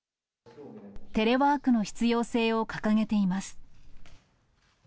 テレワークの必要性を掲げています。